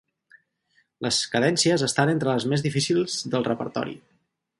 Les cadències estan entre les més difícils del repertori.